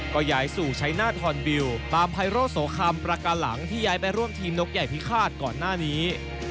ก็ย้ายสู่ชายนาธน์บิลล์ตามไพร่โลสโขมประกาหลังที่ย้ายไปร่วมทีมนกใหญ่พิคาสก่อนหน้านี้